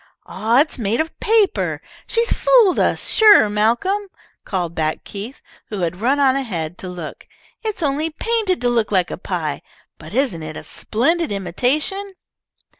"Aw, it's made of paper! She fooled us, sure, Malcolm," called back Keith, who had run on ahead to look. "It is only painted to look like a pie. But isn't it a splendid imitation?"